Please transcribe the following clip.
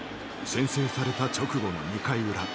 先制された直後の２回裏。